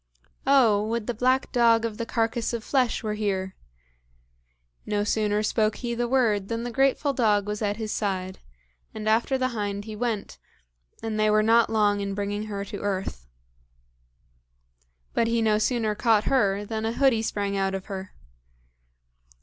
"Oh! would the black dog of the carcass of flesh were here!" No sooner spoke he the word than the grateful dog was at his side; and after the hind he went, and they were not long in bringing her to earth. But he no sooner caught her than a hoodie sprang out of her.